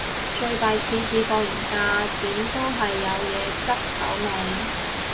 最弊次次放完假，點都係有嘢執手尾